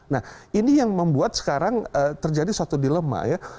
nah ini yang membuat sekarang terjadi suatu dilema ya